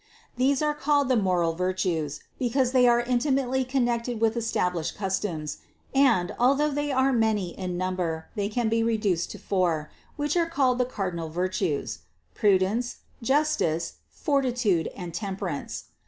These are called the moral virtues, because they are inti mately connected with established customs, and, although they are many in number, they can be reduced to four, which are called the cardinal virtues: prudence, justice, fortitude and temperance.